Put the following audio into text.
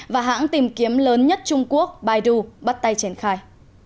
và hãng tìm kiếm lớn nhất trung quốc baidu bắt tay triển khai